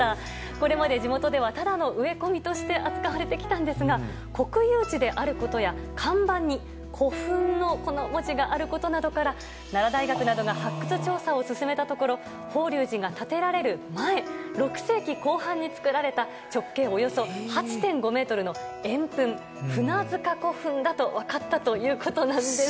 これまで地元ではただの植え込みとして扱われてきたんですが国有地であることや看板に「古墳」の文字があることなどから奈良大学などが発掘調査を進めたところ法隆寺が建てられる前６世紀後半に作られた直径およそ８．５ｍの円墳舟塚古墳だと分かったということです。